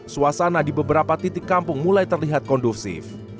suasana di beberapa titik kampung mulai terlihat kondusif